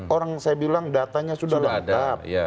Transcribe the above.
orang saya bilang datanya sudah lengkap